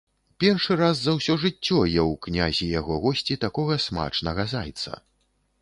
Першы раз за ўсё жыццё еў князь і яго госці такога смачнага зайца.